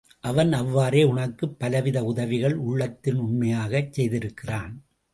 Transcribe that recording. அவன் அவ்வாறே உனக்குப் பலவித உதவிகள் உள்ளத்தின் உண்மையாகச் செய்திருக்கிறான்.